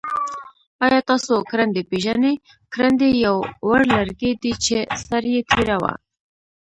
آیا تاسو کرندی پیژنی؟ کرندی یو وړ لرګی دی چه سر یي تیره وي.